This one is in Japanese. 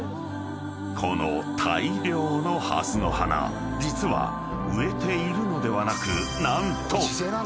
［この大量のハスの花実は植えているのではなく何と］